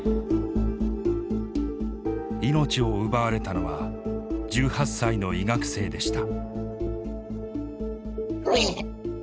命を奪われたのは１８歳の医学生でした。